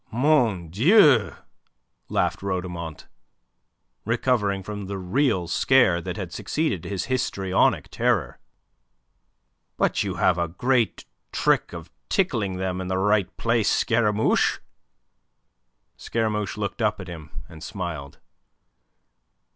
"Mon Dieu!" laughed Rhodomont, recovering from the real scare that had succeeded his histrionic terror, "but you have a great trick of tickling them in the right place, Scaramouche." Scaramouche looked up at him and smiled.